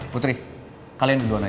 putri kalian duluan aja